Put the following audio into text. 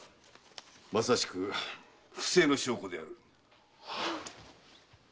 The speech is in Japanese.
まさしく不正の証拠である。